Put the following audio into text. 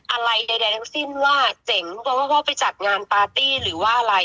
อะไรใดทั้งสิ้นว่าเจ๋งเพราะว่าเขาไปจัดงานปาร์ตี้หรือว่าอะไร